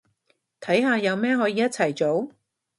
睇下有咩可以一齊做